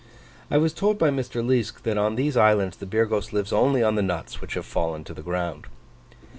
I was told by Mr. Liesk that on these islands the Birgos lives only on the nuts which have fallen to the ground.